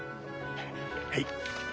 はい。